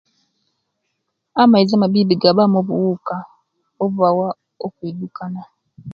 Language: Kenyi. Amaizi amabibi gabamu obuwuka, obubawa okwidukana.